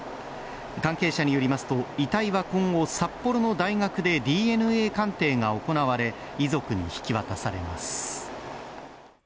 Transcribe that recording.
関係者によりますと遺体は今後、札幌の大学でＤＮＡ鑑定が行われ、遺族に引き渡されます。